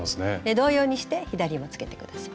同様にして左もつけて下さい。